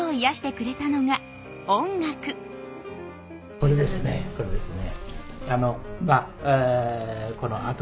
これですねこれですね。